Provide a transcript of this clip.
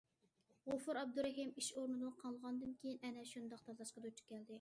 غوپۇر ئابدۇرېھىم ئىش ئورنىدىن قالغاندىن كېيىن ئەنە شۇنداق تاللاشقا دۇچ كەلدى.